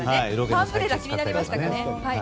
ファンブレラ気になりましたかね。